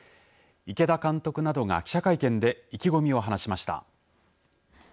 池田監督などが記者会見で意気込みを話しました。